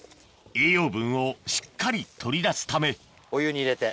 栄養分をしっかり取り出すためお湯に入れて。